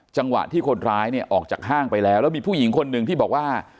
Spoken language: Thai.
จังหวะที่คนร้ายเนี่ยออกจากห้างไปแล้วแล้วมีผู้หญิงคนหนึ่งที่บอกว่า